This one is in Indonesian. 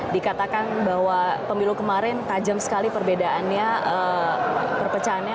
dikatakan bahwa pemilu kemarin tajam sekali perbedaannya perpecahannya